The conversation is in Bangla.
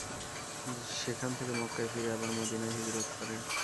সেখান থেকে মক্কায় ফিরে আবার মদীনায় হিজরত করেন।